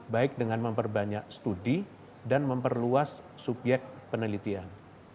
baik dengan memperbanyak studi dan memperbanyak penelitian